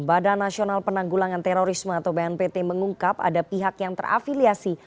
badan nasional penanggulangan terorisme atau bnpt mengungkap ada pihak yang terafiliasi